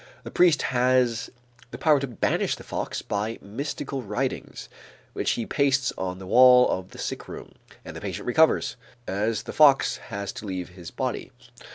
The priest has the power to banish the fox by mystical writings which he pastes on the wall of the sick room, and the patient recovers, as the fox has to leave his body.